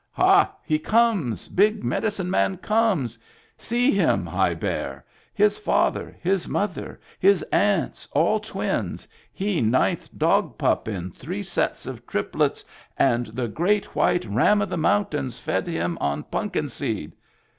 "Ha! he comes! Big medicine man comes. See him. High Bear ! His father, his mother, his aunts all twins, he ninth dog pup in three sets <rf triplets, and the great white Ram of the Mountains fed him on punkin seed.